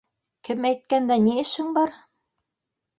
— Кем әйткәндә ни эшең бар?